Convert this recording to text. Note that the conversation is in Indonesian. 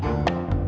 terima kasih banyak